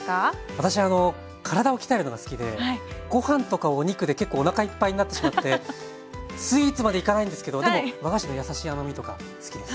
私体を鍛えるのが好きでご飯とかお肉で結構おなかいっぱいになってしまってスイーツまでいかないんですけどでも和菓子の優しい甘みとか好きです。